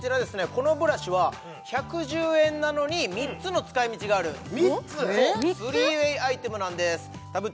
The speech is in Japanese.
このブラシは１１０円なのに３つの使い道がある３ＷＡＹアイテムなんですたぶっ